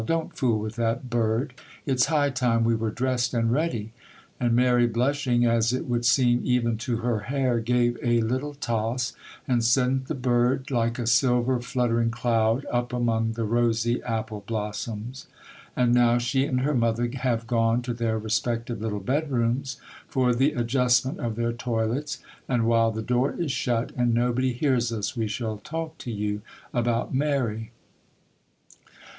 don't fool with that bird, it's high time we were dressed and ready,'—and Mary, blushing, as it would seem, even to her hair, gave a little toss, and sent the bird, like a silver fluttering cloud, up among the rosy apple blossoms. And now she and her mother have gone to their respective little bedrooms for the adjustment of their toilets, and while the door is shut and nobody hears us, we shall talk to you about Mary.